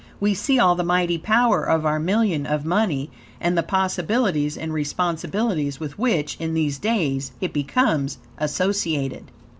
We see all the mighty power of our million of money, and the possibilities and responsibilities with which, in these days, it becomes associated.